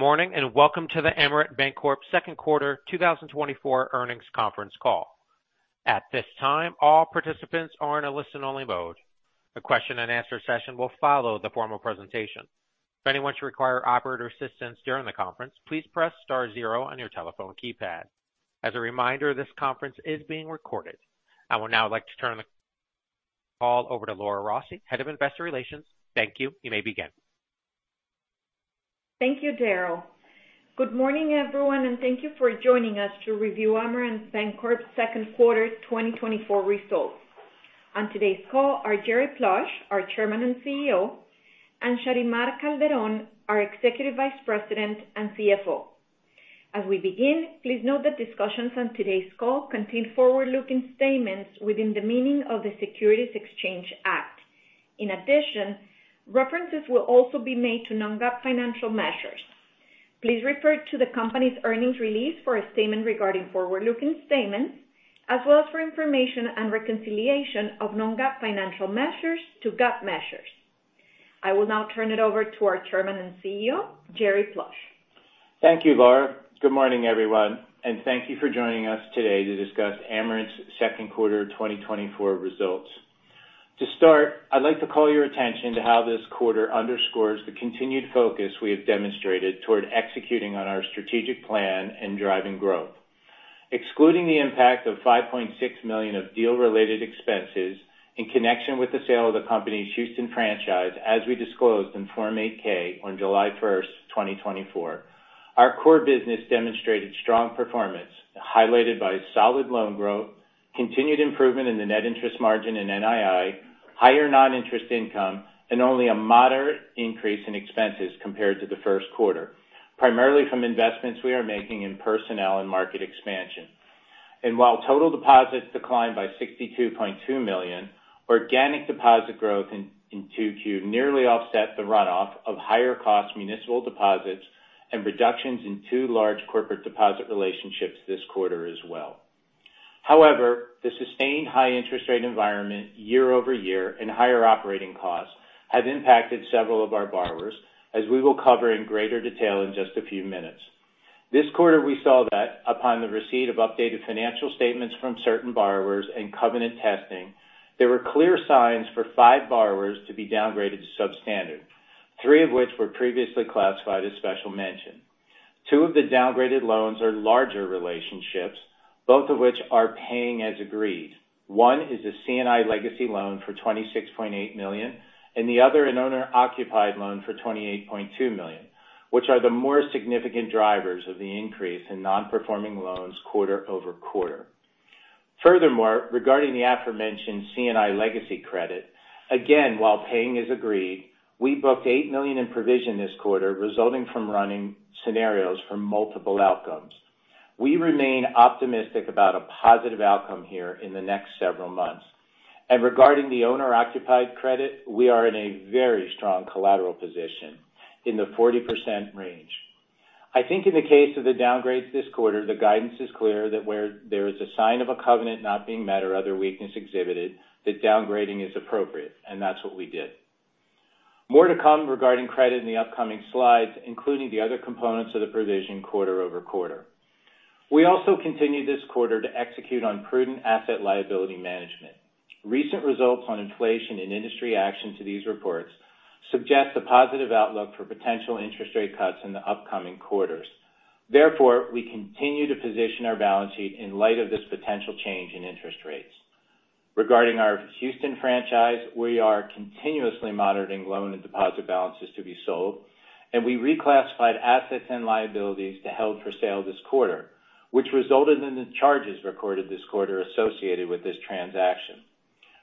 Good morning, and welcome to the Amerant Bancorp second quarter 2024 earnings conference call. At this time, all participants are in a listen-only mode. A question and answer session will follow the formal presentation. If anyone should require operator assistance during the conference, please press star zero on your telephone keypad. As a reminder, this conference is being recorded. I would now like to turn the call over to Laura Rossi, Head of Investor Relations. Thank you. You may begin. Thank you, Daryl. Good morning, everyone, and thank you for joining us to review Amerant Bancorp Inc.'s second quarter 2024 results. On today's call are Jerry Plush, our Chairman and CEO, and Sharymar Calderón, our Executive Vice President and CFO. As we begin, please note that discussions on today's call contain forward-looking statements within the meaning of the Securities Exchange Act. In addition, references will also be made to non-GAAP financial measures. Please refer to the company's earnings release for a statement regarding forward-looking statements, as well as for information and reconciliation of non-GAAP financial measures to GAAP measures. I will now turn it over to our Chairman and CEO, Jerry Plush. Thank you, Laura. Good morning, everyone, and thank you for joining us today to discuss Amerant's second quarter 2024 results. To start, I'd like to call your attention to how this quarter underscores the continued focus we have demonstrated toward executing on our strategic plan and driving growth. Excluding the impact of $5.6 million of deal-related expenses in connection with the sale of the company's Houston franchise, as we disclosed in Form 8-K on July 1, 2024, our core business demonstrated strong performance, highlighted by solid loan growth, continued improvement in the net interest margin and NII, higher non-interest income, and only a moderate increase in expenses compared to the first quarter, primarily from investments we are making in personnel and market expansion. While total deposits declined by $62.2 million, organic deposit growth in 2Q nearly offset the runoff of higher-cost municipal deposits and reductions in two large corporate deposit relationships this quarter as well. However, the sustained high interest rate environment year-over-year and higher operating costs have impacted several of our borrowers, as we will cover in greater detail in just a few minutes. This quarter, we saw that upon the receipt of updated financial statements from certain borrowers and covenant testing, there were clear signs for five borrowers to be downgraded to substandard, three of which were previously classified as special mention. Two of the downgraded loans are larger relationships, both of which are paying as agreed. One is a C&I legacy loan for $26.8 million, and the other an owner-occupied loan for $28.2 million, which are the more significant drivers of the increase in nonperforming loans quarter-over-quarter. Furthermore, regarding the aforementioned C&I legacy credit, again, while paying as agreed, we booked $8 million in provision this quarter, resulting from running scenarios for multiple outcomes. We remain optimistic about a positive outcome here in the next several months. Regarding the owner-occupied credit, we are in a very strong collateral position, in the 40% range. I think in the case of the downgrades this quarter, the guidance is clear that where there is a sign of a covenant not being met or other weakness exhibited, that downgrading is appropriate, and that's what we did. More to come regarding credit in the upcoming slides, including the other components of the provision quarter-over-quarter. We also continued this quarter to execute on prudent asset liability management. Recent results on inflation and industry action to these reports suggest a positive outlook for potential interest rate cuts in the upcoming quarters. Therefore, we continue to position our balance sheet in light of this potential change in interest rates. Regarding our Houston franchise, we are continuously monitoring loan and deposit balances to be sold, and we reclassified assets and liabilities to held for sale this quarter, which resulted in the charges recorded this quarter associated with this transaction.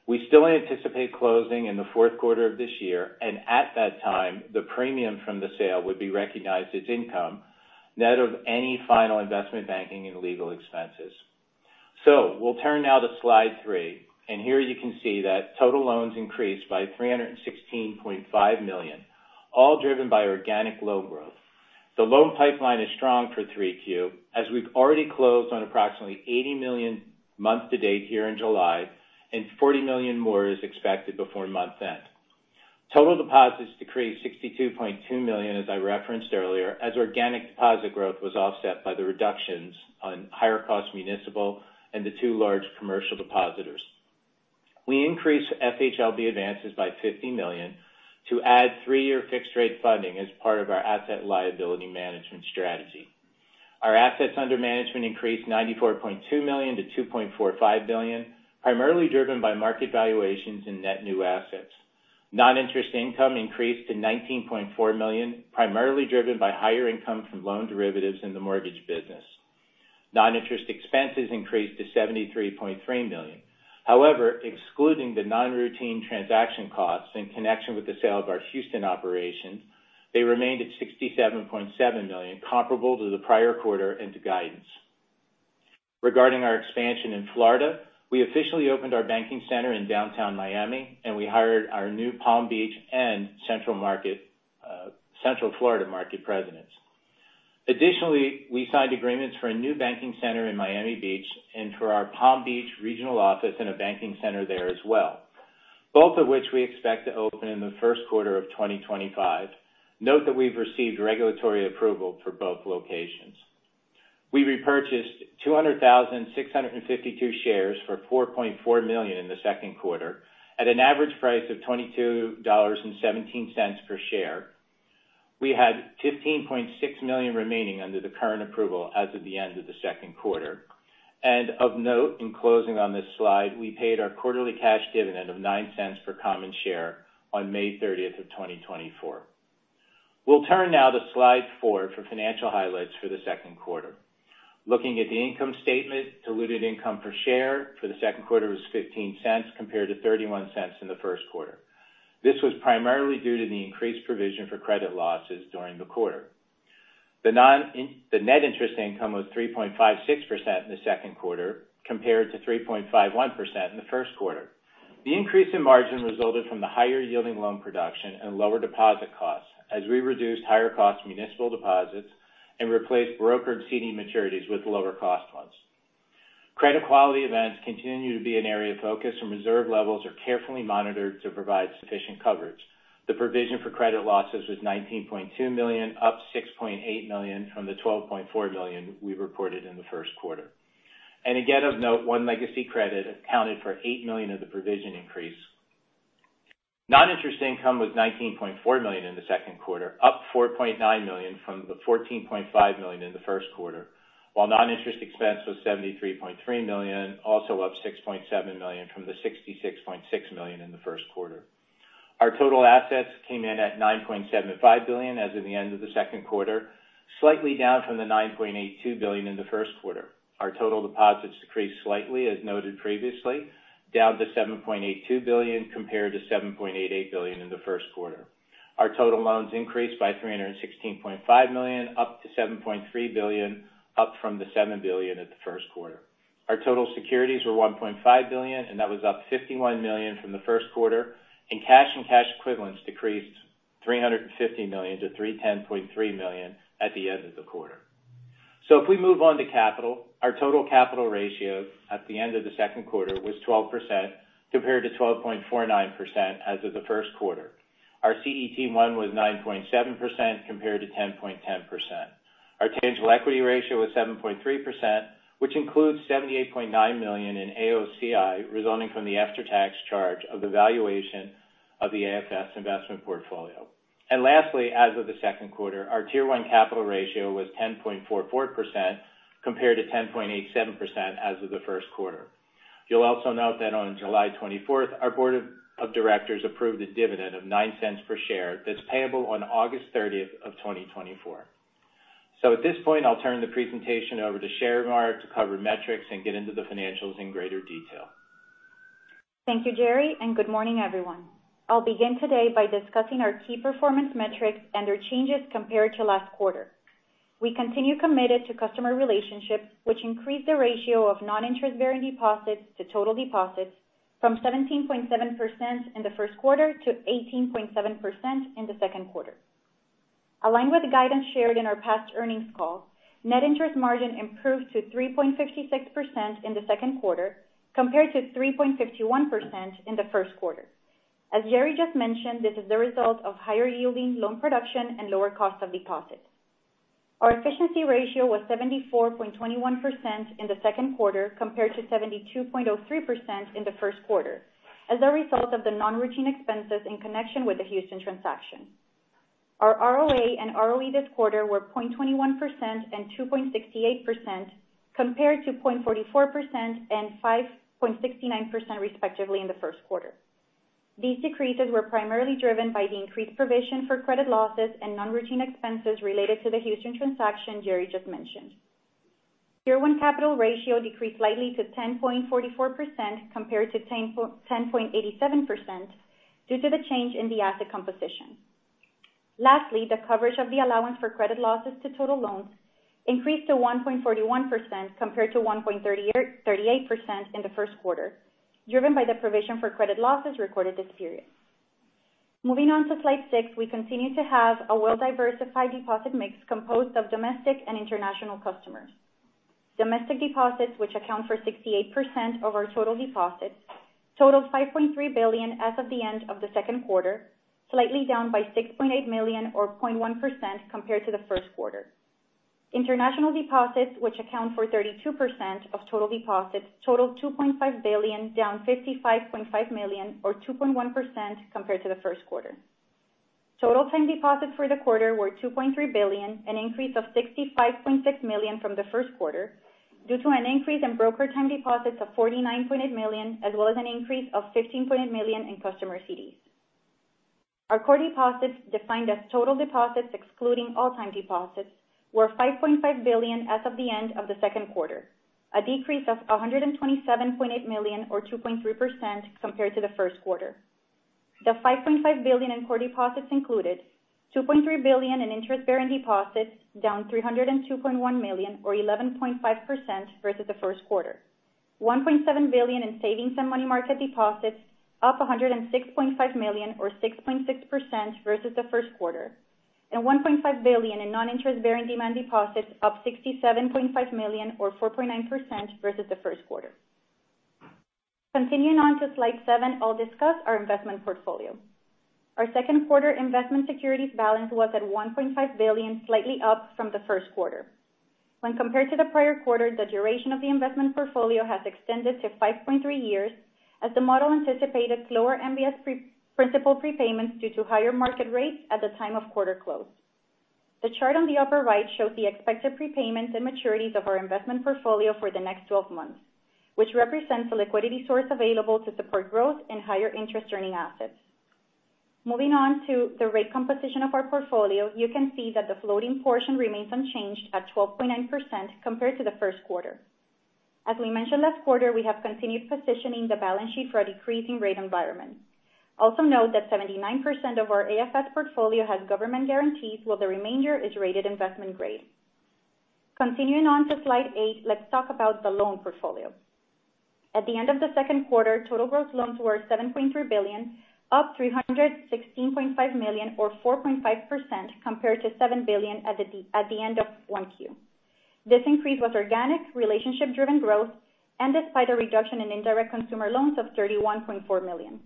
We still anticipate closing in the fourth quarter of this year, and at that time, the premium from the sale would be recognized as income, net of any final investment banking and legal expenses. So we'll turn now to slide three, and here you can see that total loans increased by $316.5 million, all driven by organic loan growth. The loan pipeline is strong for 3Q, as we've already closed on approximately $80 million month to date here in July, and $40 million more is expected before month end. Total deposits decreased $62.2 million, as I referenced earlier, as organic deposit growth was offset by the reductions on higher cost municipal and the two large commercial depositors. We increased FHLB advances by $50 million to add three-year fixed-rate funding as part of our asset liability management strategy. Our assets under management increased $94.2 million-$2.45 billion, primarily driven by market valuations and net new assets. Non-interest income increased to $19.4 million, primarily driven by higher income from loan derivatives in the mortgage business. Non-interest expenses increased to $73.3 million. However, excluding the non-routine transaction costs in connection with the sale of our Houston operation, they remained at $67.7 million, comparable to the prior quarter and to guidance. Regarding our expansion in Florida, we officially opened our banking center in Downtown Miami, and we hired our new Palm Beach and Central Florida market presidents. Additionally, we signed agreements for a new banking center in Miami Beach and for our Palm Beach regional office and a banking center there as well, both of which we expect to open in the first quarter of 2025. Note that we've received regulatory approval for both locations. We repurchased 200,652 shares for $4.4 million in the second quarter at an average price of $22.17 per share. We had $15.6 million remaining under the current approval as of the end of the second quarter. Of note, in closing on this slide, we paid our quarterly cash dividend of $0.09 per common share on May 30, 2024. We'll turn now to slide four for financial highlights for the second quarter. Looking at the income statement, diluted income per share for the second quarter was $0.15 compared to $0.31 in the first quarter. This was primarily due to the increased provision for credit losses during the quarter. The net interest income was 3.56% in the second quarter, compared to 3.51% in the first quarter. The increase in margin resulted from the higher yielding loan production and lower deposit costs, as we reduced higher cost municipal deposits and replaced brokered CD maturities with lower cost ones. Credit quality events continue to be an area of focus, and reserve levels are carefully monitored to provide sufficient coverage. The provision for credit losses was $19.2 million, up $6.8 million from the $12.4 million we reported in the first quarter. And again, of note, one legacy credit accounted for $8 million of the provision increase. Non-interest income was $19.4 million in the second quarter, up $4.9 million from the $14.5 million in the first quarter, while non-interest expense was $73.3 million, also up $6.7 million from the $66.6 million in the first quarter. Our total assets came in at $9.75 billion as of the end of the second quarter, slightly down from the $9.82 billion in the first quarter. Our total deposits decreased slightly, as noted previously, down to $7.82 billion, compared to $7.88 billion in the first quarter. Our total loans increased by $316.5 million, up to $7.3 billion, up from the $7 billion at the first quarter. Our total securities were $1.5 billion, and that was up $51 million from the first quarter, and cash and cash equivalents decreased $350 million to $310.3 million at the end of the quarter. So if we move on to capital, our total capital ratio at the end of the second quarter was 12%, compared to 12.49% as of the first quarter. Our CET1 was 9.7% compared to 10.10%. Our tangible equity ratio was 7.3%, which includes $78.9 million in AOCI, resulting from the after-tax charge of the valuation of the AFS investment portfolio. And lastly, as of the second quarter, our Tier 1 capital ratio was 10.44%, compared to 10.87% as of the first quarter. You'll also note that on July 24th, our board of directors approved a dividend of $0.09 per share that's payable on August 30th, 2024. So at this point, I'll turn the presentation over to Sharymar to cover metrics and get into the financials in greater detail. Thank you, Jerry, and good morning, everyone. I'll begin today by discussing our key performance metrics and their changes compared to last quarter. We continue committed to customer relationships, which increased the ratio of non-interest-bearing deposits to total deposits from 17.7% in the first quarter to 18.7% in the second quarter. Aligned with the guidance shared in our past earnings call, net interest margin improved to 3.56% in the second quarter, compared to 3.51% in the first quarter. As Jerry just mentioned, this is the result of higher yielding loan production and lower cost of deposits. Our efficiency ratio was 74.21% in the second quarter, compared to 72.03% in the first quarter, as a result of the non-routine expenses in connection with the Houston transaction. Our ROA and ROE this quarter were 0.21% and 2.68%, compared to 0.44% and 5.69%, respectively, in the first quarter. These decreases were primarily driven by the increased provision for credit losses and non-routine expenses related to the Houston transaction Jerry just mentioned. Tier 1 capital ratio decreased slightly to 10.44% compared to 10.87%, due to the change in the asset composition. Lastly, the coverage of the allowance for credit losses to total loans increased to 1.41%, compared to 1.38% in the first quarter, driven by the provision for credit losses recorded this period. Moving on to Slide 6, we continue to have a well-diversified deposit mix composed of domestic and international customers. Domestic deposits, which account for 68% of our total deposits, totaled $5.3 billion as of the end of the second quarter, slightly down by $6.8 million or 0.1% compared to the first quarter. International deposits, which account for 32% of total deposits, totaled $2.5 billion, down $55.5 million or 2.1% compared to the first quarter. Total time deposits for the quarter were $2.3 billion, an increase of $65.6 million from the first quarter, due to an increase in broker time deposits of $49.8 million, as well as an increase of $15.8 million in customer CDs. Our core deposits, defined as total deposits excluding time deposits, were $5.5 billion as of the end of the second quarter, a decrease of $127.8 million or 2.3% compared to the first quarter. The $5.5 billion in core deposits included $2.3 billion in interest-bearing deposits, down $302.1 million, or 11.5% versus the first quarter. $1.7 billion in savings and money market deposits, up $106.5 million or 6.6% versus the first quarter.... and $1.5 billion in non-interest bearing demand deposits, up $67.5 million, or 4.9% versus the first quarter. Continuing on to slide seven, I'll discuss our investment portfolio. Our second quarter investment securities balance was at $1.5 billion, slightly up from the first quarter. When compared to the prior quarter, the duration of the investment portfolio has extended to 5.3 years, as the model anticipated slower MBS principal prepayments due to higher market rates at the time of quarter close. The chart on the upper right shows the expected prepayments and maturities of our investment portfolio for the next 12 months, which represents a liquidity source available to support growth and higher interest-earning assets. Moving on to the rate composition of our portfolio, you can see that the floating portion remains unchanged at 12.9% compared to the first quarter. As we mentioned last quarter, we have continued positioning the balance sheet for a decreasing rate environment. Also note that 79% of our AFS portfolio has government guarantees, while the remainder is rated investment grade. Continuing on to slide 8, let's talk about the loan portfolio. At the end of the second quarter, total gross loans were $7.3 billion, up $316.5 million, or 4.5%, compared to $7 billion at the end of 1Q. This increase was organic, relationship-driven growth, and despite a reduction in indirect consumer loans of $31.4 million.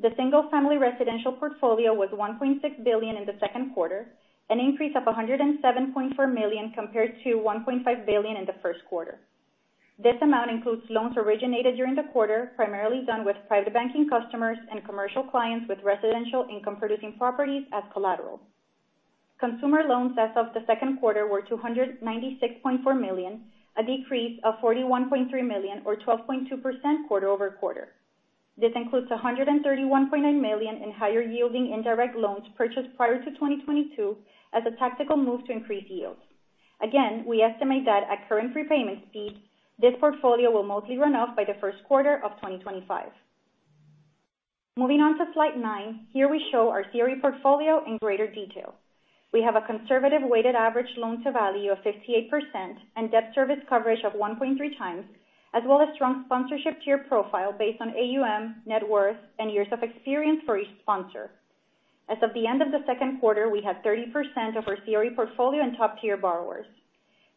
The single-family residential portfolio was $1.6 billion in the second quarter, an increase of $107.4 million compared to $1.5 billion in the first quarter. This amount includes loans originated during the quarter, primarily done with private banking customers and commercial clients with residential income-producing properties as collateral. Consumer loans as of the second quarter were $296.4 million, a decrease of $41.3 million or 12.2% quarter-over-quarter. This includes $131.9 million in higher-yielding indirect loans purchased prior to 2022 as a tactical move to increase yields. Again, we estimate that at current prepayment speed, this portfolio will mostly run off by the first quarter of 2025. Moving on to slide 9. Here we show our CRE portfolio in greater detail. We have a conservative weighted average loan-to-value of 58% and debt service coverage of 1.3 times, as well as strong sponsorship tier profile based on AUM, net worth, and years of experience for each sponsor. As of the end of the second quarter, we had 30% of our CRE portfolio in top-tier borrowers.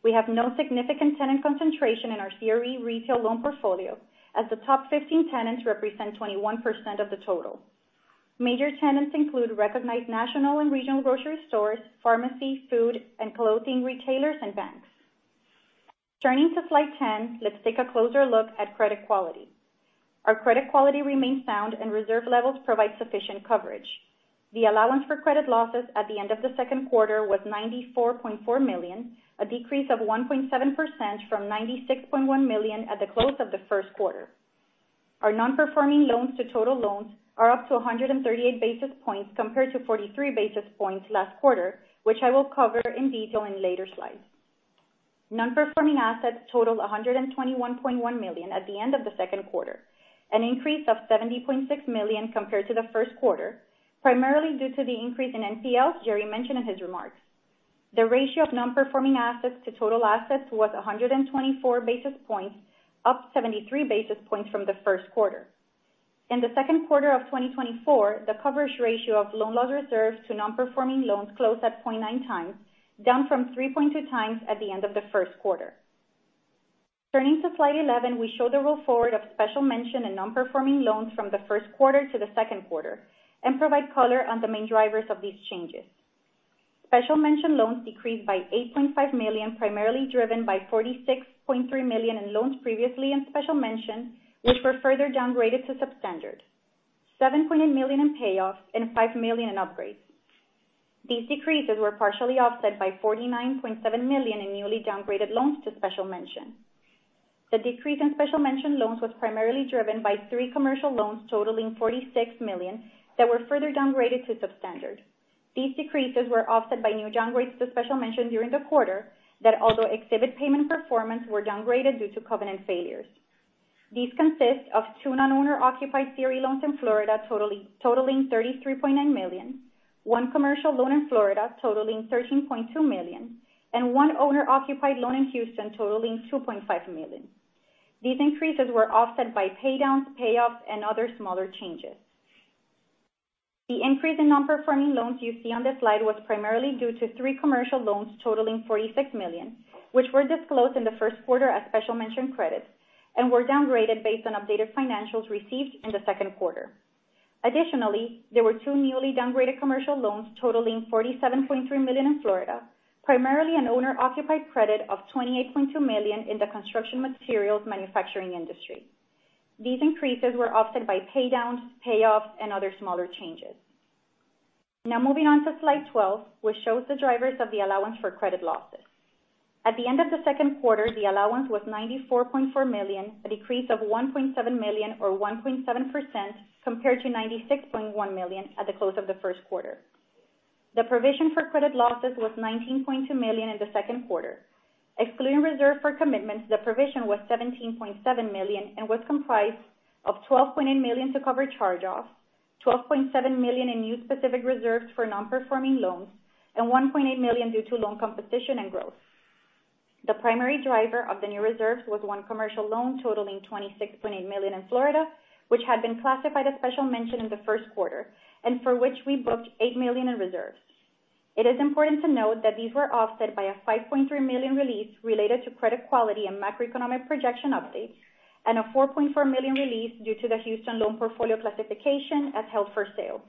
We have no significant tenant concentration in our CRE retail loan portfolio, as the top 15 tenants represent 21% of the total. Major tenants include recognized national and regional grocery stores, pharmacy, food, and clothing retailers, and banks. Turning to slide 10, let's take a closer look at credit quality. Our credit quality remains sound and reserve levels provide sufficient coverage. The allowance for credit losses at the end of the second quarter was $94.4 million, a decrease of 1.7% from $96.1 million at the close of the first quarter. Our non-performing loans to total loans are up to 138 basis points, compared to 43 basis points last quarter, which I will cover in detail in later slides. Non-performing assets totaled $121.1 million at the end of the second quarter, an increase of $70.6 million compared to the first quarter, primarily due to the increase in NPLs Jerry mentioned in his remarks. The ratio of non-performing assets to total assets was 124 basis points, up 73 basis points from the first quarter. In the second quarter of 2024, the coverage ratio of loan loss reserves to non-performing loans closed at 0.9 times, down from 3.2 times at the end of the first quarter. Turning to slide 11, we show the roll forward of special mention and non-performing loans from the first quarter to the second quarter and provide color on the main drivers of these changes. Special mention loans decreased by $8.5 million, primarily driven by $46.3 million in loans previously in special mention, which were further downgraded to substandard. $7.8 million in payoffs and $5 million in upgrades. These decreases were partially offset by $49.7 million in newly downgraded loans to special mention. The decrease in special mention loans was primarily driven by three commercial loans totaling $46 million that were further downgraded to substandard. These decreases were offset by new downgrades to special mention during the quarter, that although exhibit payment performance, were downgraded due to covenant failures. These consist of two non-owner occupied CRE loans in Florida, totaling $33.9 million, one commercial loan in Florida totaling $13.2 million, and one owner-occupied loan in Houston totaling $2.5 million. These increases were offset by paydowns, payoffs, and other smaller changes. The increase in non-performing loans you see on this slide was primarily due to three commercial loans totaling $46 million, which were disclosed in the first quarter as special mention credits and were downgraded based on updated financials received in the second quarter. Additionally, there were two newly downgraded commercial loans totaling $47.3 million in Florida, primarily an owner-occupied credit of $28.2 million in the construction materials manufacturing industry. These increases were offset by paydowns, payoffs, and other smaller changes. Now, moving on to slide 12, which shows the drivers of the allowance for credit losses. At the end of the second quarter, the allowance was $94.4 million, a decrease of $1.7 million or 1.7% compared to $96.1 million at the close of the first quarter. The provision for credit losses was $19.2 million in the second quarter. Excluding reserve for commitments, the provision was $17.7 million and was comprised of $12.8 million to cover charge-offs, $12.7 million in new specific reserves for non-performing loans, and $1.8 million due to loan composition and growth. The primary driver of the new reserves was one commercial loan totaling $26.8 million in Florida, which had been classified as special mention in the first quarter, and for which we booked $8 million in reserves. It is important to note that these were offset by a $5.3 million release related to credit quality and macroeconomic projection updates, and a $4.4 million release due to the Houston loan portfolio classification as held for sale.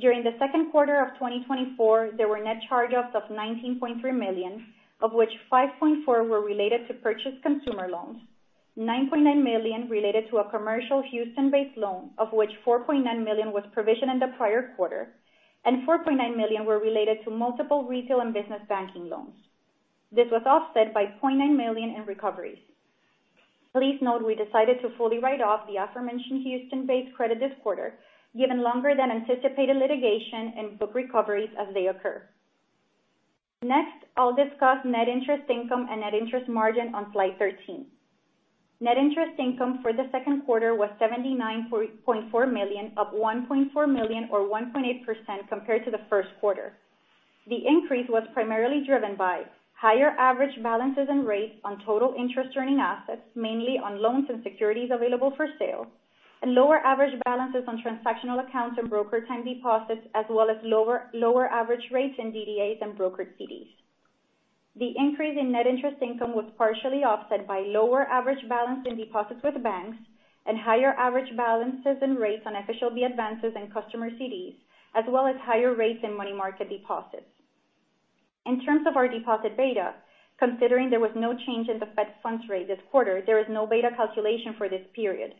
During the second quarter of 2024, there were net charge-offs of $19.3 million, of which $5.4 million were related to purchase consumer loans, $9.9 million related to a commercial Houston-based loan, of which $4.9 million was provisioned in the prior quarter, and $4.9 million were related to multiple retail and business banking loans. This was offset by $0.9 million in recoveries. Please note, we decided to fully write off the aforementioned Houston-based credit this quarter, given longer than anticipated litigation and book recoveries as they occur. Next, I'll discuss net interest income and net interest margin on slide 13. Net interest income for the second quarter was $79.4 million, up $1.4 million, or 1.8% compared to the first quarter. The increase was primarily driven by higher average balances and rates on total interest-earning assets, mainly on loans and securities available for sale, and lower average balances on transactional accounts and brokered deposits, as well as lower average rates in DDAs and brokered CDs. The increase in net interest income was partially offset by lower average balance in deposits with banks and higher average balances and rates on FHLB advances and customer CDs, as well as higher rates in money market deposits. In terms of our deposit beta, considering there was no change in the Fed funds rate this quarter, there is no beta calculation for this period.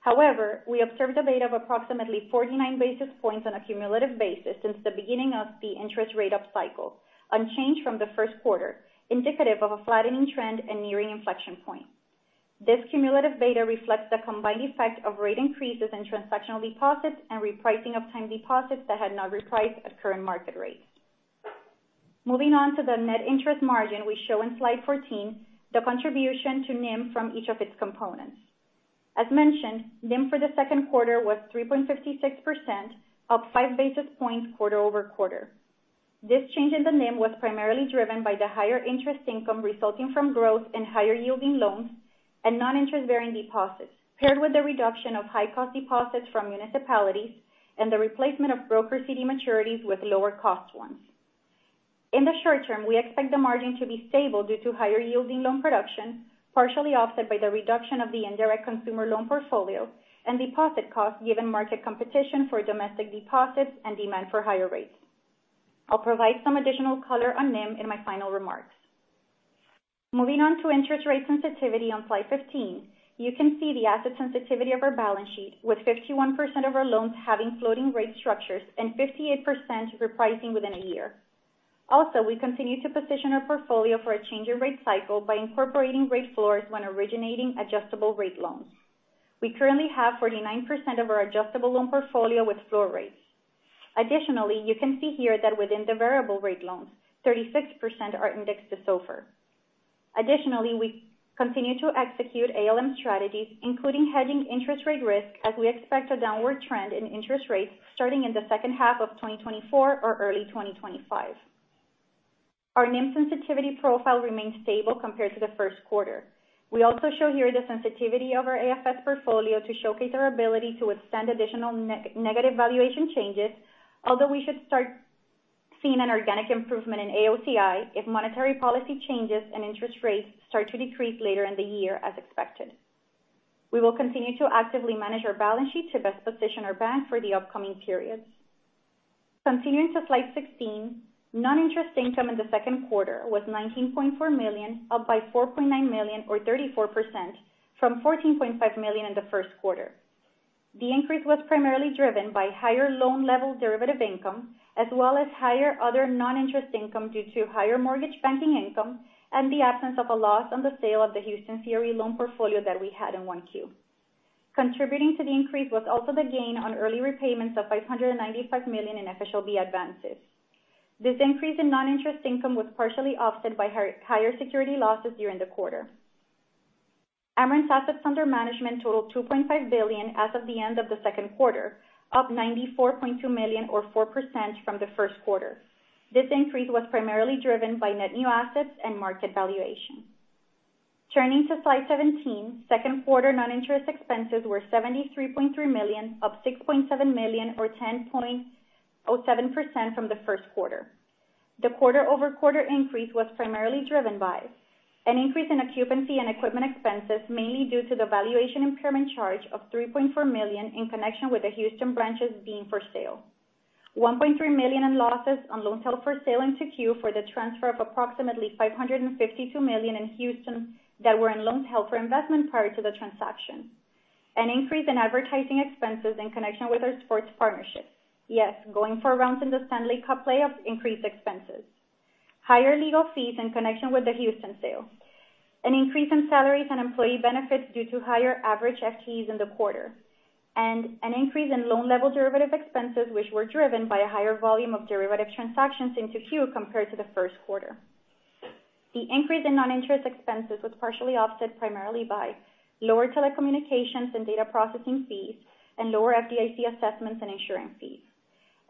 However, we observed a beta of approximately 49 basis points on a cumulative basis since the beginning of the interest rate up cycle, unchanged from the first quarter, indicative of a flattening trend and nearing inflection point. This cumulative beta reflects the combined effect of rate increases in transactional deposits and repricing of time deposits that had not repriced at current market rates. Moving on to the net interest margin, we show in slide 14 the contribution to NIM from each of its components. As mentioned, NIM for the second quarter was 3.56%, up five basis points quarter-over-quarter. This change in the NIM was primarily driven by the higher interest income resulting from growth in higher-yielding loans and non-interest-bearing deposits, paired with the reduction of high-cost deposits from municipalities and the replacement of broker CD maturities with lower cost ones. In the short term, we expect the margin to be stable due to higher yielding loan production, partially offset by the reduction of the indirect consumer loan portfolio and deposit costs, given market competition for domestic deposits and demand for higher rates. I'll provide some additional color on NIM in my final remarks. Moving on to interest rate sensitivity on slide 15, you can see the asset sensitivity of our balance sheet with 51% of our loans having floating rate structures and 58% repricing within a year. Also, we continue to position our portfolio for a change in rate cycle by incorporating rate floors when originating adjustable rate loans. We currently have 49% of our adjustable loan portfolio with floor rates. Additionally, you can see here that within the variable rate loans, 36% are indexed to SOFR. Additionally, we continue to execute ALM strategies, including hedging interest rate risk, as we expect a downward trend in interest rates starting in the second half of 2024 or early 2025. Our NIM sensitivity profile remains stable compared to the first quarter. We also show here the sensitivity of our AFS portfolio to showcase our ability to withstand additional negative valuation changes, although we should start seeing an organic improvement in AOCI if monetary policy changes and interest rates start to decrease later in the year as expected. We will continue to actively manage our balance sheet to best position our bank for the upcoming periods. Continuing to slide 16, non-interest income in the second quarter was $19.4 million, up by $4.9 million, or 34% from $14.5 million in the first quarter. The increase was primarily driven by higher loan level derivative income, as well as higher other non-interest income due to higher mortgage banking income and the absence of a loss on the sale of the Houston CRE loan portfolio that we had in 1Q. Contributing to the increase was also the gain on early repayments of $595 million in FHLB advances. This increase in non-interest income was partially offset by higher security losses during the quarter. Amerant's assets under management totaled $2.5 billion as of the end of the second quarter, up $94.2 million or 4% from the first quarter. This increase was primarily driven by net new assets and market valuation. Turning to slide 17, second quarter non-interest expenses were $73.3 million, up $6.7 million, or 10.7% from the first quarter. The quarter-over-quarter increase was primarily driven by an increase in occupancy and equipment expenses, mainly due to the valuation impairment charge of $3.4 million in connection with the Houston branches being for sale. $1.3 million in losses on loans held for sale in 2Q for the transfer of approximately $552 million in Houston that were in loans held for investment prior to the transaction. An increase in advertising expenses in connection with our sports partnerships. Yes, going for rounds in the Stanley Cup playoffs increased expenses. Higher legal fees in connection with the Houston sale. An increase in salaries and employee benefits due to higher average FTEs in the quarter. And an increase in loan-level derivative expenses, which were driven by a higher volume of derivative transactions into Q compared to the first quarter. The increase in non-interest expenses was partially offset primarily by lower telecommunications and data processing fees and lower FDIC assessments and insurance fees.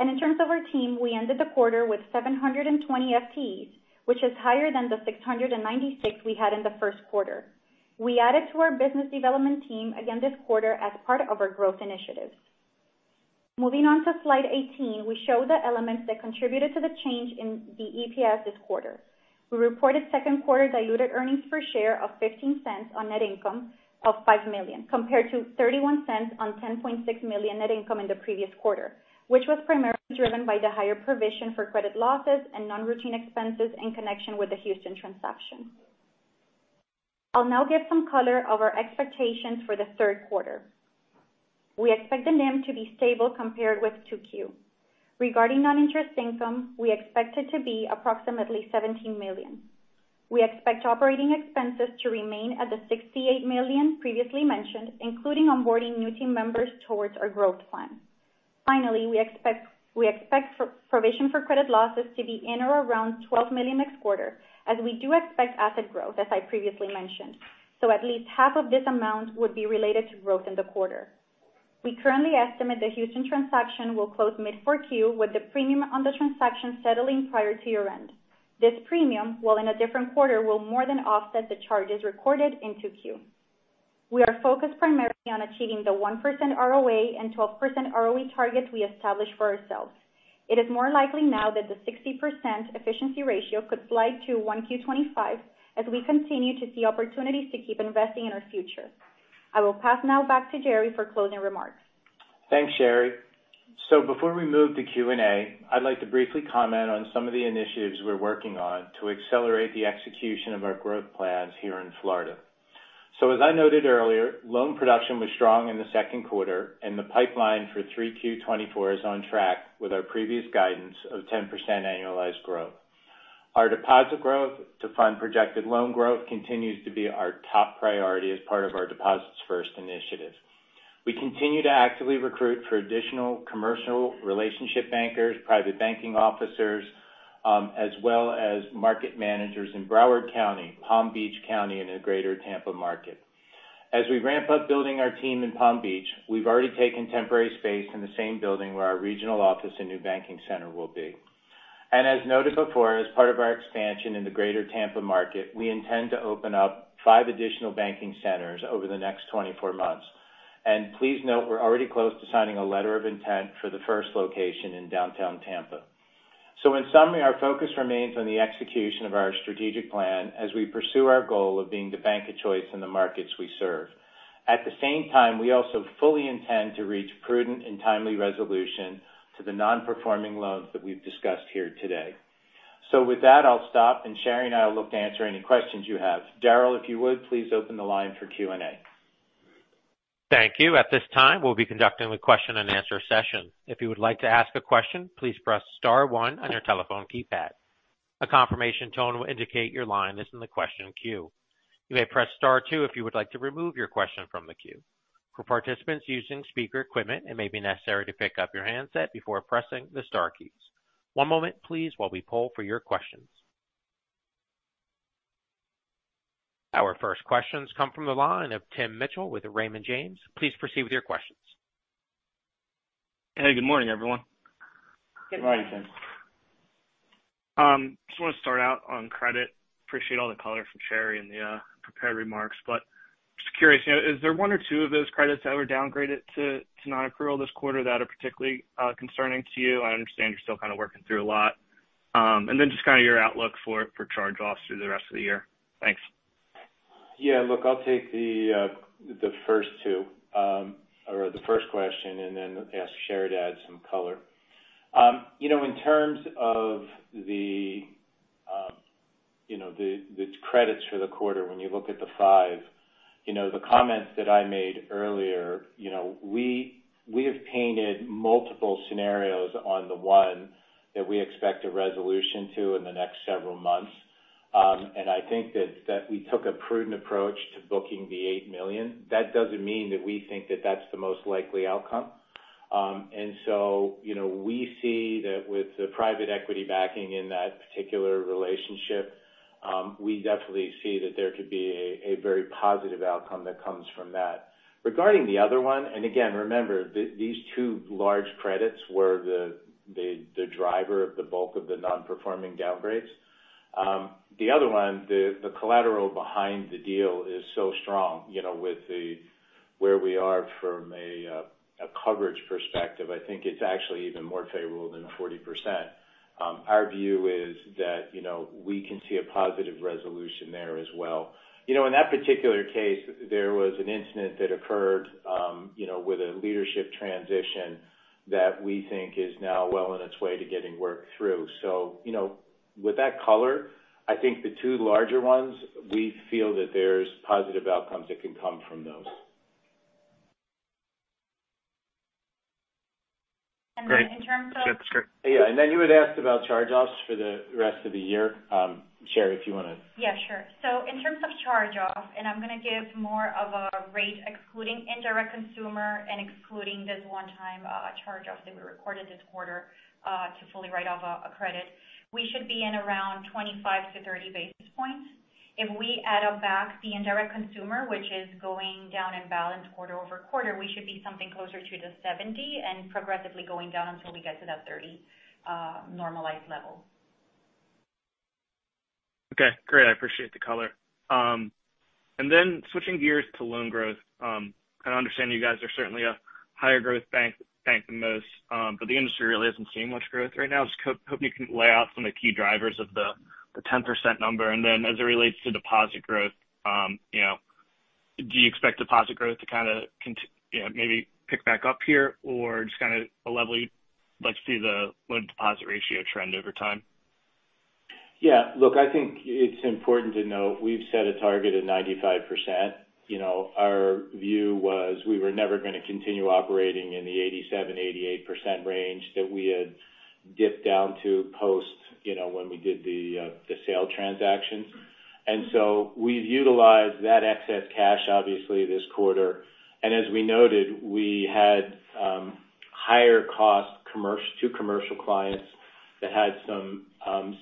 In terms of our team, we ended the quarter with 720 FTEs, which is higher than the 696 we had in the first quarter. We added to our business development team again this quarter as part of our growth initiatives. Moving on to slide 18, we show the elements that contributed to the change in the EPS this quarter. We reported second quarter diluted earnings per share of $0.15 on net income of $5 million, compared to $0.31 on $10.6 million net income in the previous quarter, which was primarily driven by the higher provision for credit losses and non-routine expenses in connection with the Houston transaction. I'll now give some color of our expectations for the third quarter. We expect the NIM to be stable compared with 2Q. Regarding non-interest income, we expect it to be approximately $17 million. We expect operating expenses to remain at the $68 million previously mentioned, including onboarding new team members towards our growth plan. Finally, we expect provision for credit losses to be in or around $12 million next quarter, as we do expect asset growth, as I previously mentioned, so at least half of this amount would be related to growth in the quarter. We currently estimate the Houston transaction will close mid-4Q, with the premium on the transaction settling prior to year-end. This premium, while in a different quarter, will more than offset the charges recorded in 2Q. We are focused primarily on achieving the 1% ROA and 12% ROE targets we established for ourselves. It is more likely now that the 60% efficiency ratio could slide to 1Q 2025, as we continue to see opportunities to keep investing in our future. I will pass now back to Jerry for closing remarks. Thanks, Sherry. So before we move to Q&A, I'd like to briefly comment on some of the initiatives we're working on to accelerate the execution of our growth plans here in Florida. So as I noted earlier, loan production was strong in the second quarter, and the pipeline for 3Q 2024 is on track with our previous guidance of 10% annualized growth. Our deposit growth to fund projected loan growth continues to be our top priority as part of our Deposits First initiative. We continue to actively recruit for additional commercial relationship bankers, private banking officers, as well as market managers in Broward County, Palm Beach County, and the Greater Tampa market. As we ramp up building our team in Palm Beach, we've already taken temporary space in the same building where our regional office and new banking center will be. As noted before, as part of our expansion in the Greater Tampa market, we intend to open up five additional banking centers over the next 24 months. Please note, we're already close to signing a letter of intent for the first location in downtown Tampa. In summary, our focus remains on the execution of our strategic plan as we pursue our goal of being the bank of choice in the markets we serve. At the same time, we also fully intend to reach prudent and timely resolution to the non-performing loans that we've discussed here today. With that, I'll stop, and Sherry and I will look to answer any questions you have. Daryl, if you would, please open the line for Q&A. Thank you. At this time, we'll be conducting a question-and-answer session. If you would like to ask a question, please press star one on your telephone keypad. A confirmation tone will indicate your line is in the question queue. You may press star two if you would like to remove your question from the queue. For participants using speaker equipment, it may be necessary to pick up your handset before pressing the star keys. One moment, please, while we poll for your questions. Our first questions come from the line of Tim Mitchell with Raymond James. Please proceed with your questions. Hey, good morning, everyone. Good morning, Tim. Just want to start out on credit. Appreciate all the color from Sherry and the prepared remarks, but just curious, you know, is there one or two of those credits that were downgraded to, to nonaccrual this quarter that are particularly concerning to you? I understand you're still kind of working through a lot. And then just kind of your outlook for, for charge-offs through the rest of the year. Thanks. Yeah, look, I'll take the first two, or the first question and then ask Sherry to add some color. You know, in terms of, you know, the credits for the quarter, when you look at the five, you know, the comments that I made earlier, you know, we have painted multiple scenarios on the one that we expect a resolution to in the next several months. And I think that we took a prudent approach to booking the $8 million. That doesn't mean that we think that that's the most likely outcome. And so, you know, we see that with the private equity backing in that particular relationship, we definitely see that there could be a very positive outcome that comes from that. Regarding the other one, and again, remember, these two large credits were the driver of the bulk of the non-performing downgrades. The other one, the collateral behind the deal is so strong, you know, with the where we are from a coverage perspective, I think it's actually even more favorable than 40%. Our view is that, you know, we can see a positive resolution there as well. You know, in that particular case, there was an incident that occurred, you know, with a leadership transition that we think is now well on its way to getting worked through. So, you know, with that color, I think the two larger ones, we feel that there's positive outcomes that can come from those. And then in terms of- Great. Yeah, that's great. Yeah, and then you had asked about charge-offs for the rest of the year. Sharymar, if you want to- Yeah, sure. So in terms of charge-off, and I'm going to give more of a rate, excluding indirect consumer and excluding this one time, charge-off that we recorded this quarter, to fully write off a, a credit. We should be in around 25-30 basis points. If we add up back the indirect consumer, which is going down in balance quarter-over-quarter, we should be something closer to the 70 and progressively going down until we get to that 30, normalized level. Okay, great. I appreciate the color. And then switching gears to loan growth. I understand you guys are certainly a higher growth bank than most, but the industry really hasn't seen much growth right now. Just hoping you can lay out some of the key drivers of the 10% number, and then as it relates to deposit growth, you know, do you expect deposit growth to kind of you know, maybe pick back up here, or just kind of level, let's see the loan deposit ratio trend over time? Yeah, look, I think it's important to note we've set a target of 95%. You know, our view was we were never gonna continue operating in the 87%-88% range that we had dipped down to post, you know, when we did the sale transaction. And so we've utilized that excess cash, obviously, this quarter. And as we noted, we had higher cost commercial-to-commercial clients that had some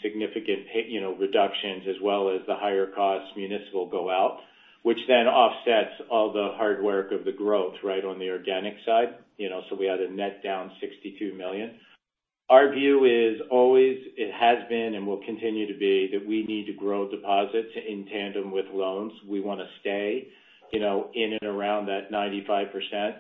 significant paydowns, you know, reductions as well as the higher cost municipal go out, which then offsets all the hard work of the growth, right, on the organic side. You know, so we had a net down $62 million. Our view is always, it has been and will continue to be, that we need to grow deposits in tandem with loans. We want to stay, you know, in and around that 95%.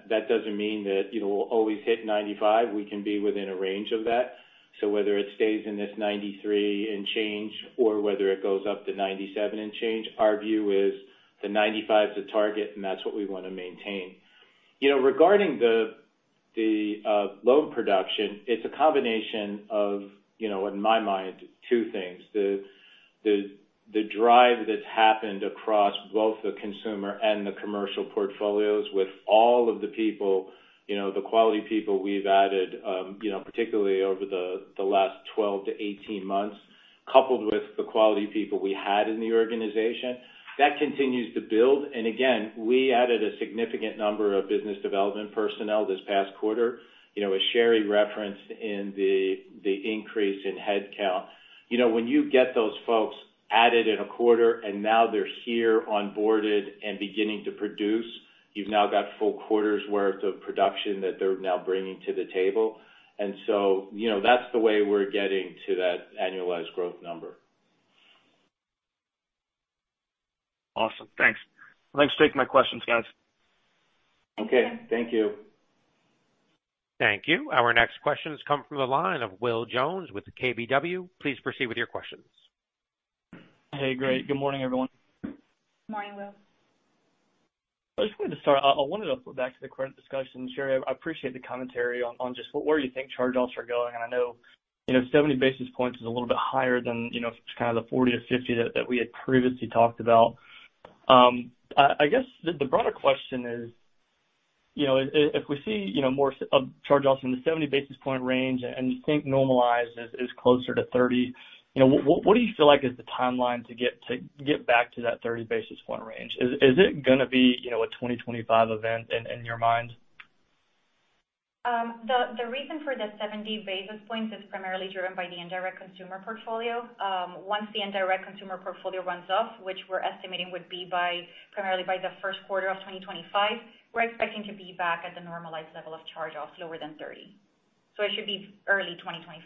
That doesn't mean that, you know, we'll always hit 95. We can be within a range of that. So whether it stays in this 93 and change, or whether it goes up to 97 and change, our view is the 95's the target, and that's what we want to maintain. You know, regarding the loan production, it's a combination of, you know, in my mind, two things. The drive that's happened across both the consumer and the commercial portfolios with all of the people, you know, the quality people we've added, you know, particularly over the last 12-18 months, coupled with the quality people we had in the organization. That continues to build, and again, we added a significant number of business development personnel this past quarter. You know, as Sherry referenced in the increase in headcount. You know, when you get those folks added in a quarter and now they're here onboarded and beginning to produce, you've now got full quarter's worth of production that they're now bringing to the table. And so, you know, that's the way we're getting to that annualized growth number. Awesome. Thanks. Thanks for taking my questions, guys. Okay, thank you. Thank you. Our next question has come from the line of Will Jones with KBW. Please proceed with your questions. Hey, great. Good morning, everyone. Morning, Will. I wanted to go back to the current discussion, Sherry. I appreciate the commentary on just where you think charge-offs are going, and I know, you know, 70 basis points is a little bit higher than, you know, kind of the 40-50 that we had previously talked about. I guess the broader question is, you know, if we see, you know, more charge-offs in the 70 basis point range and you think normalized is closer to 30, you know, what do you feel like is the timeline to get back to that 30 basis point range? Is it gonna be, you know, a 2025 event in your mind? The reason for the 70 basis points is primarily driven by the indirect consumer portfolio. Once the indirect consumer portfolio runs off, which we're estimating would be primarily by the first quarter of 2025, we're expecting to be back at the normalized level of charge off, lower than 30. So it should be early 2025.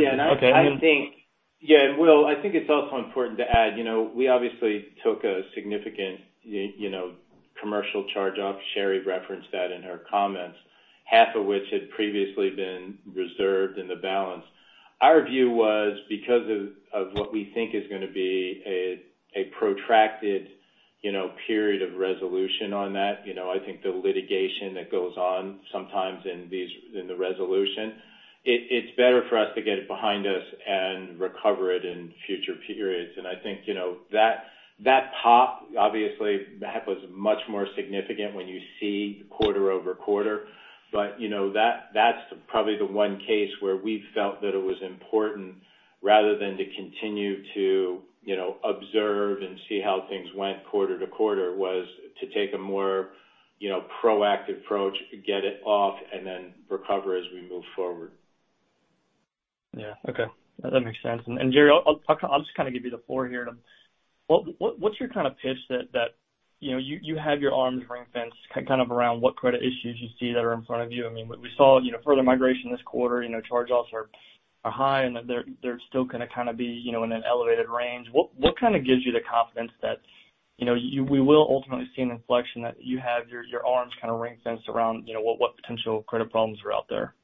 Yeah, Okay. And I think. Yeah, Will, I think it's also important to add, you know, we obviously took a significant, you know, commercial charge-off. Sherry referenced that in her comments, half of which had previously been reserved in the balance. Our view was because of what we think is gonna be a protracted, you know, period of resolution on that, you know, I think the litigation that goes on sometimes in these, in the resolution, it's better for us to get it behind us and recover it in future periods. And I think, you know, that pop, obviously, that was much more significant when you see quarter-over-quarter. But, you know, that's probably the one case where we felt that it was important, rather than to continue to, you know, observe and see how things went quarter to quarter, was to take a more, you know, proactive approach, get it off, and then recover as we move forward. Yeah. Okay, that makes sense. Jerry, I'll just kind of give you the floor here. What's your kind of pitch that you know, you have your arms ring-fenced kind of around what credit issues you see that are in front of you? I mean, we saw, you know, further migration this quarter, you know, charge-offs are high, and they're still gonna kind of be, you know, in an elevated range. What kind of gives you the confidence that, you know, you—we will ultimately see an inflection that you have your arms kind of ring-fenced around, you know, what potential credit problems are out there?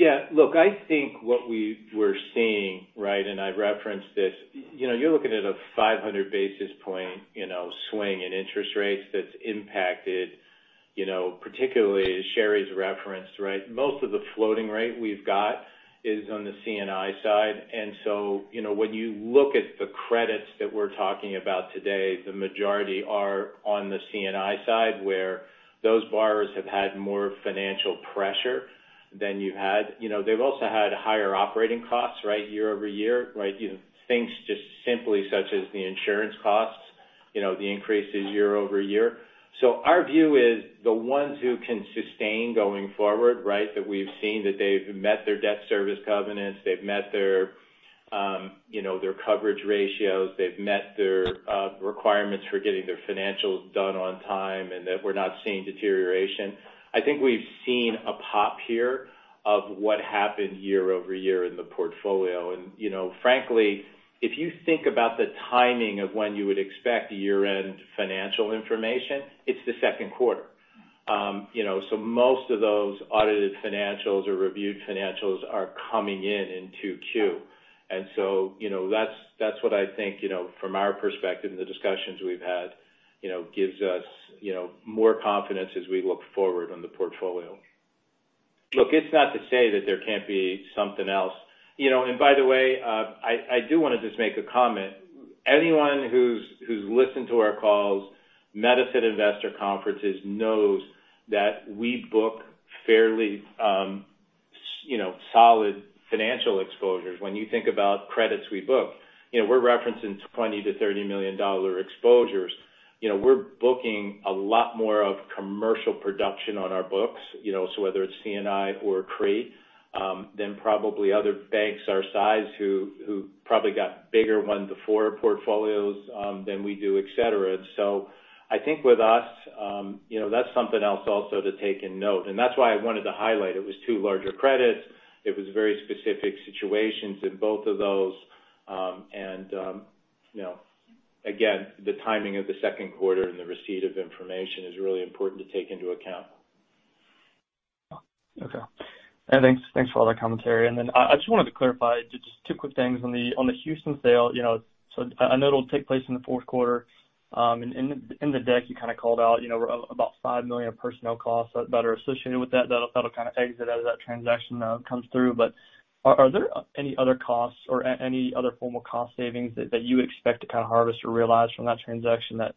Yeah, look, I think what we're seeing, right, and I've referenced this, you know, you're looking at a 500 basis point, you know, swing in interest rates that's impacted, you know, particularly as Sherry's referenced, right? Most of the floating rate we've got is on the C&I side. And so, you know, when you look at the credits that we're talking about today, the majority are on the C&I side, where those borrowers have had more financial pressure than you had. You know, they've also had higher operating costs, right, year over year, right? You know, things just simply such as the insurance costs, you know, the increases year over year. So our view is, the ones who can sustain going forward, right? That we've seen that they've met their debt service covenants, they've met their, you know, their coverage ratios, they've met their requirements for getting their financials done on time, and that we're not seeing deterioration. I think we've seen a pop here of what happened year-over-year in the portfolio. And, you know, frankly, if you think about the timing of when you would expect year-end financial information, it's the second quarter. You know, so most of those audited financials or reviewed financials are coming in in 2Q. And so, you know, that's, that's what I think, you know, from our perspective and the discussions we've had, you know, gives us, you know, more confidence as we look forward on the portfolio. Look, it's not to say that there can't be something else. You know, and by the way, I do wanna just make a comment. Anyone who's listened to our calls and investor conferences knows that we book fairly, you know, solid financial exposures. When you think about credits we book, you know, we're referencing $20-$30 million exposures. You know, we're booking a lot more of commercial production on our books, you know, so whether it's C&I or CRE, than probably other banks our size, who probably got bigger 1-4 portfolios, than we do, et cetera. So I think with us, you know, that's something else also to take note. And that's why I wanted to highlight it, it was two larger credits, it was very specific situations in both of those. You know, again, the timing of the second quarter and the receipt of information is really important to take into account. Okay. And thanks for all that commentary. And then I just wanted to clarify just two quick things. On the Houston sale, you know, so I know it'll take place in the fourth quarter. And in the deck, you kind of called out, you know, about $5 million of personnel costs that are associated with that, that'll kind of exit as that transaction comes through. But are there any other costs or any other formal cost savings that you expect to kind of harvest or realize from that transaction that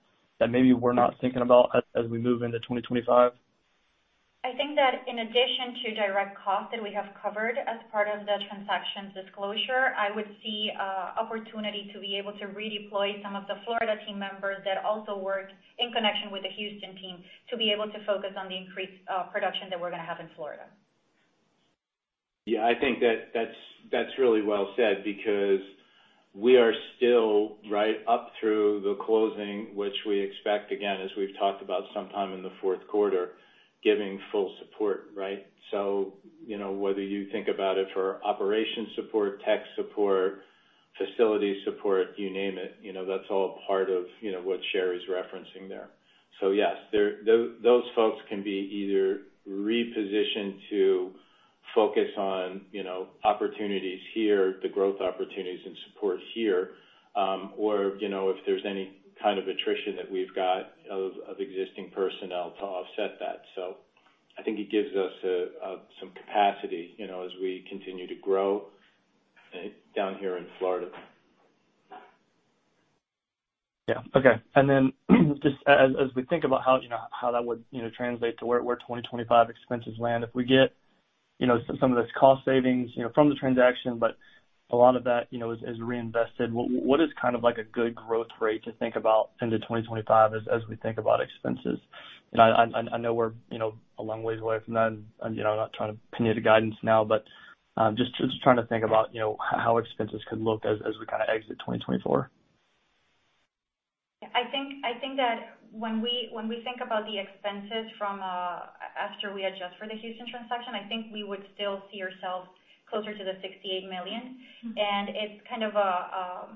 maybe we're not thinking about as we move into 2025? I think that in addition to direct costs that we have covered as part of the transaction disclosure, I would see opportunity to be able to redeploy some of the Florida team members that also work in connection with the Houston team, to be able to focus on the increased production that we're gonna have in Florida. Yeah, I think that's really well said, because we are still right up through the closing, which we expect, again, as we've talked about some time in the fourth quarter, giving full support, right? So, you know, whether you think about it for operation support, tech support, facility support, you name it, you know, that's all part of, you know, what Sherry's referencing there. So yes, those folks can be either repositioned to focus on, you know, opportunities here, the growth opportunities and support here, or, you know, if there's any kind of attrition that we've got of existing personnel to offset that. So I think it gives us some capacity, you know, as we continue to grow down here in Florida. Yeah. Okay. And then, just as we think about how, you know, how that would, you know, translate to where 2025 expenses land, if we get, you know, some of this cost savings, you know, from the transaction, but a lot of that, you know, is reinvested. What is kind of like a good growth rate to think about into 2025 as we think about expenses? And I know we're, you know, a long ways away from that, and, you know, I'm not trying to pin you to guidance now, but just trying to think about, you know, how expenses could look as we kind of exit 2024. I think that when we think about the expenses from after we adjust for the Houston transaction, I think we would still see ourselves closer to the $68 million. And it's kind of a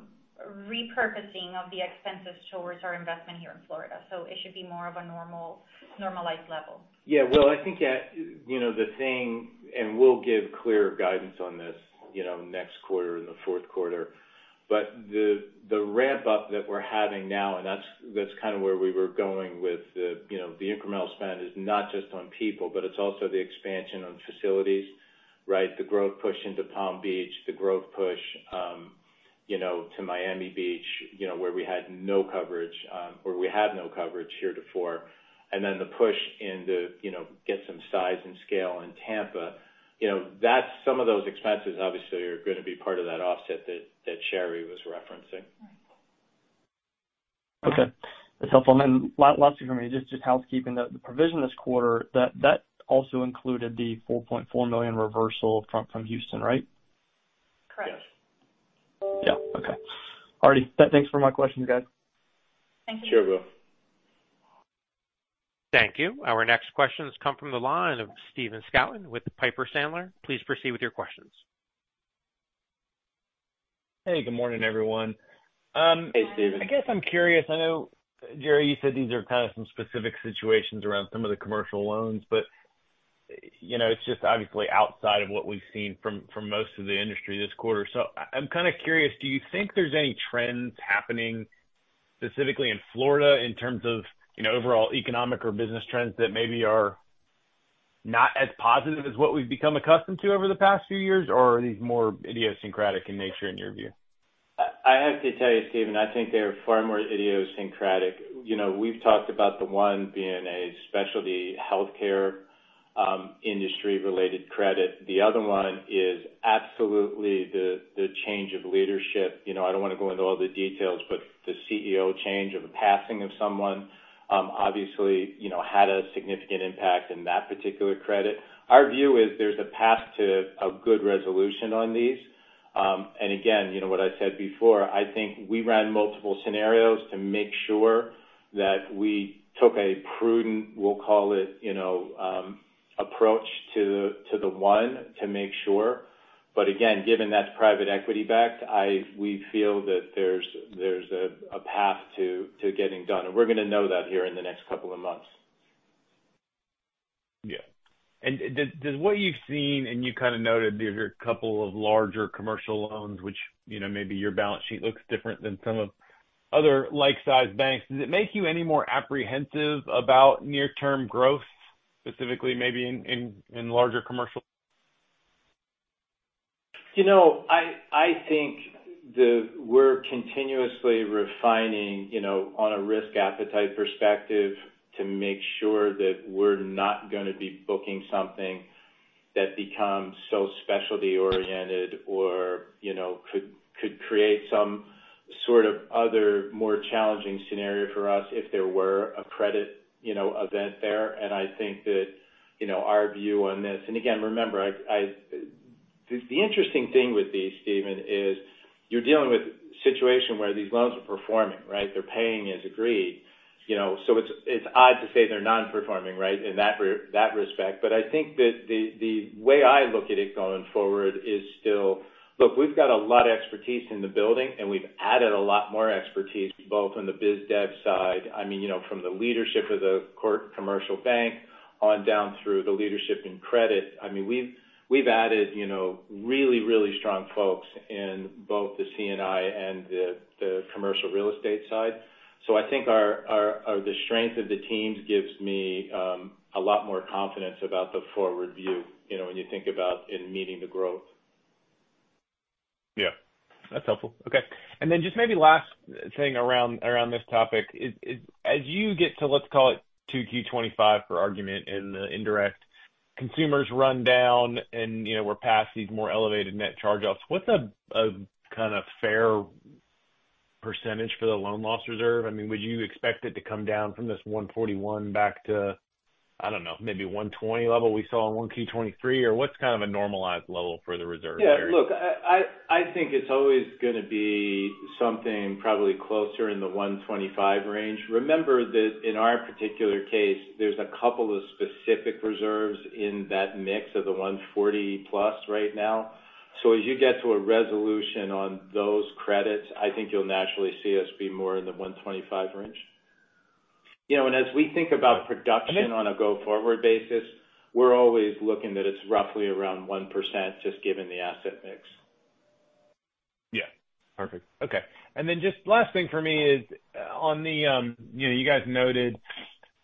repurposing of the expenses towards our investment here in Florida, so it should be more of a normal, normalized level. Yeah. Well, I think that, you know, the thing, and we'll give clearer guidance on this, you know, next quarter, in the fourth quarter, but the ramp-up that we're having now, and that's kind of where we were going with the, you know, the incremental spend, is not just on people, but it's also the expansion of facilities, right? The growth push into Palm Beach, the growth push, you know, to Miami Beach, you know, where we had no coverage, or we had no coverage heretofore, and then the push into, you know, get some size and scale in Tampa. You know, that's some of those expenses, obviously, are gonna be part of that offset that Sherry was referencing. Okay. That's helpful. And then the last thing for me, just housekeeping, the provision this quarter, that also included the $4.4 million reversal from Houston, right? Correct. Yes. Yeah. Okay. All right, thanks for my questions, guys. Thank you. Sure, Will. Thank you. Our next questions come from the line of Stephen Scouten with Piper Sandler. Please proceed with your questions. Hey, good morning, everyone. Hey, Stephen. I guess I'm curious. I know, Jerry, you said these are kind of some specific situations around some of the commercial loans, but, you know, it's just obviously outside of what we've seen from, from most of the industry this quarter. So I'm kind of curious, do you think there's any trends happening specifically in Florida in terms of, you know, overall economic or business trends that maybe are not as positive as what we've become accustomed to over the past few years? Or are these more idiosyncratic in nature, in your view? I have to tell you, Stephen, I think they're far more idiosyncratic. You know, we've talked about the one being a specialty healthcare industry-related credit. The other one is absolutely the change of leadership. You know, I don't wanna go into all the details, but the CEO change or the passing of someone, obviously, you know, had a significant impact in that particular credit. Our view is there's a path to a good resolution on these. And again, you know what I said before, I think we ran multiple scenarios to make sure that we took a prudent, we'll call it, you know, approach to the one to make sure. But again, given that's private equity backed, we feel that there's a path to getting done, and we're gonna know that here in the next couple of months. Yeah. And does what you've seen, and you kind of noted there are a couple of larger commercial loans, which, you know, maybe your balance sheet looks different than some other like-sized banks. Does it make you any more apprehensive about near-term growth, specifically maybe in larger commercial? You know, I think we're continuously refining, you know, on a risk appetite perspective, to make sure that we're not gonna be booking something that becomes so specialty oriented or, you know, could create some sort of other more challenging scenario for us if there were a credit, you know, event there. And I think that, you know, our view on this... And again, remember, the interesting thing with these, Stephen, is you're dealing with a situation where these loans are performing, right? They're paying as agreed, you know, so it's odd to say they're non-performing, right? In that respect. But I think that the way I look at it going forward is still... Look, we've got a lot of expertise in the building, and we've added a lot more expertise, both on the biz dev side, I mean, you know, from the leadership of the core commercial bank, on down through the leadership in credit. I mean, we've added, you know, really, really strong folks in both the C&I and the commercial real estate side. So I think the strength of the teams gives me a lot more confidence about the forward view, you know, when you think about in meeting the growth. Yeah, that's helpful. Okay. And then just maybe last thing around this topic is as you get to, let's call it 2Q 2025 for argument in the indirect, consumers run down and, you know, we're past these more elevated net charge-offs, what's a kind of fair percentage for the loan loss reserve? I mean, would you expect it to come down from this 1.41 back to, I don't know, maybe 1.20 level we saw in 1Q 2023? Or what's kind of a normalized level for the reserve? Yeah, look, I think it's always gonna be something probably closer in the 125 range. Remember that in our particular case, there's a couple of specific reserves in that mix of the 140+ right now. So as you get to a resolution on those credits, I think you'll naturally see us be more in the 125 range. You know, and as we think about production on a go-forward basis, we're always looking that it's roughly around 1%, just given the asset mix. Yeah. Perfect. Okay. And then just last thing for me is on the, you know, you guys noted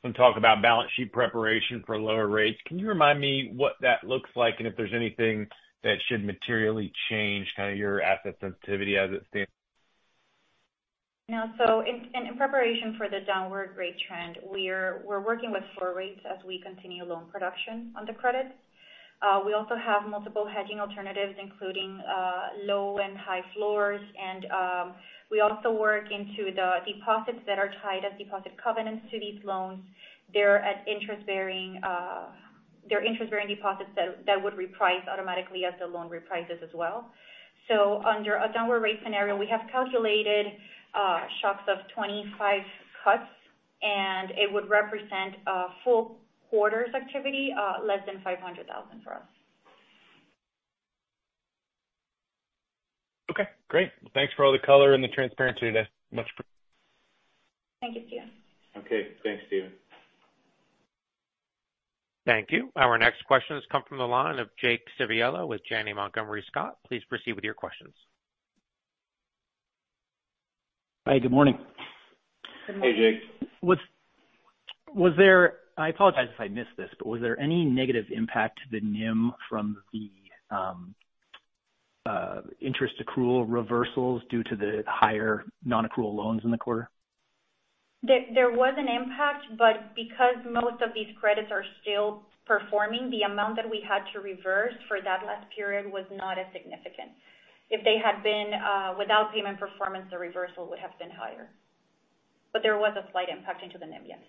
some talk about balance sheet preparation for lower rates. Can you remind me what that looks like, and if there's anything that should materially change kind of your asset sensitivity as it stands? Yeah. So in preparation for the downward rate trend, we're working with floor rates as we continue loan production on the credits. We also have multiple hedging alternatives, including low and high floors. And we also work into the deposits that are tied as deposit covenants to these loans. They're interest-bearing deposits that would reprice automatically as the loan reprices as well. So under a downward rate scenario, we have calculated shocks of 25 cuts, and it would represent a full quarter's activity, less than $500,000 for us. Okay, great. Thanks for all the color and the transparency today. Much appreciated. Thank you, Stephen. Okay, thanks, Stephen. Thank you. Our next question has come from the line of Jake Civiello with Janney Montgomery Scott. Please proceed with your questions. Hi, good morning. Good morning. Hey, Jake. Was there... I apologize if I missed this, but was there any negative impact to the NIM from the interest accrual reversals due to the higher non-accrual loans in the quarter? There was an impact, but because most of these credits are still performing, the amount that we had to reverse for that last period was not as significant. If they had been without payment performance, the reversal would have been higher. But there was a slight impact into the NIM, yes.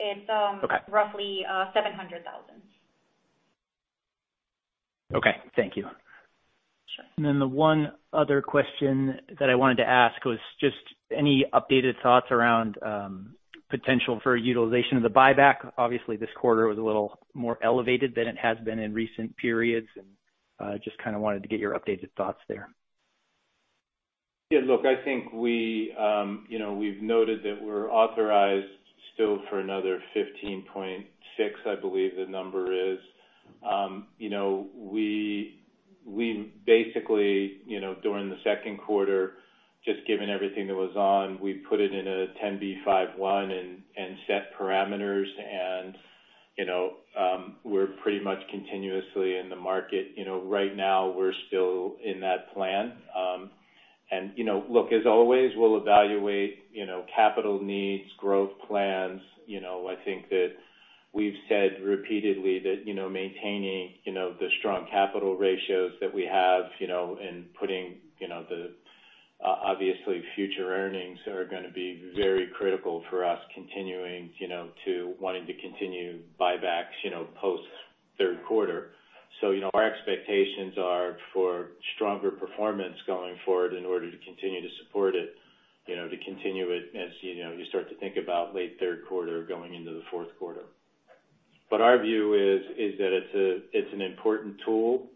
It's Okay. - roughly $700,000. Okay. Thank you. Sure. And then the one other question that I wanted to ask was just any updated thoughts around, potential for utilization of the buyback? Obviously, this quarter was a little more elevated than it has been in recent periods, and, just kind of wanted to get your updated thoughts there. Yeah, look, I think we, you know, we've noted that we're authorized still for another 15.6, I believe the number is. You know, we, we basically, you know, during the second quarter, just given everything that was on, we put it in a 10b5-1 and, and set parameters and, you know, we're pretty much continuously in the market. You know, right now we're still in that plan. And, you know, look, as always, we'll evaluate, you know, capital needs, growth plans. You know, I think that we've said repeatedly that, you know, maintaining, you know, the strong capital ratios that we have, you know, and putting, you know, the obviously, future earnings are gonna be very critical for us continuing, you know, to wanting to continue buybacks, you know, post-third quarter. So, you know, our expectations are for stronger performance going forward in order to continue to support it, you know, to continue it as, you know, you start to think about late third quarter going into the fourth quarter. But our view is that it's a, it's an important tool.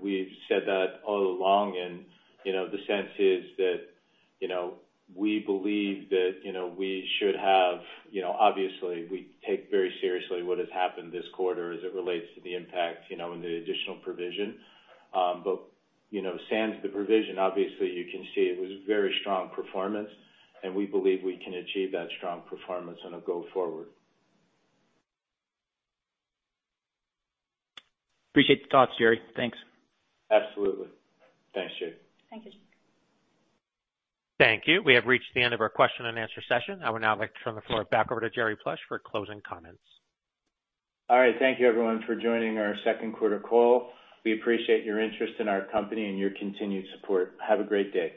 We've said that all along and, you know, the sense is that, you know, we believe that, you know, we should have... You know, obviously, we take very seriously what has happened this quarter as it relates to the impact, you know, and the additional provision. But, you know, sans the provision, obviously, you can see it was very strong performance, and we believe we can achieve that strong performance on a go forward. Appreciate the thoughts, Jerry. Thanks. Absolutely. Thanks, Jake. Thank you. Thank you. We have reached the end of our question and answer session. I would now like to turn the floor back over to Jerry Plush for closing comments. All right. Thank you everyone for joining our second quarter call. We appreciate your interest in our company and your continued support. Have a great day.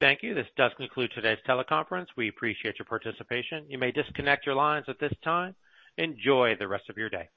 Thank you. This does conclude today's teleconference. We appreciate your participation. You may disconnect your lines at this time. Enjoy the rest of your day.